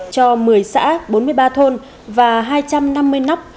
cho một mươi xã bốn mươi ba thôn và hai trăm năm mươi nóc